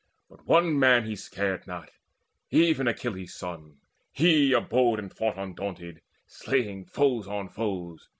But one man He scared not, even Achilles' son; he abode, And fought undaunted, slaying foes on foes.